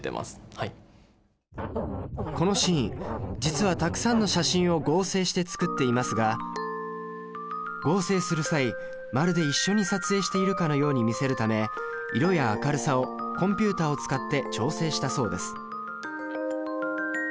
実はたくさんの写真を合成して作っていますが合成する際まるで一緒に撮影しているかのように見せるため色や明るさをコンピュータを使って調整したそうです。